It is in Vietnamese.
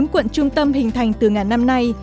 bốn quận trung tâm hình thành từ ngàn năm nay